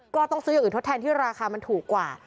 ก็ต้องซื้ออย่างอื่นทดแทนที่ราคามันถูกกว่า